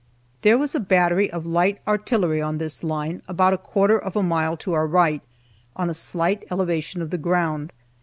There was a battery of light artillery on this line, about a quarter of a mile to our right, on a slight elevation of the ground.